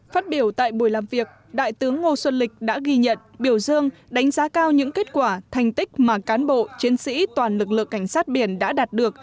phát biểu tại buổi làm việc đại tướng ngô xuân lịch đã ghi nhận biểu dương đánh giá cao những kết quả thành tích mà cán bộ chiến sĩ toàn lực lượng cảnh sát biển đã đạt được